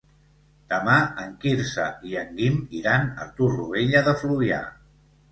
Demà en Quirze i en Guim iran a Torroella de Fluvià.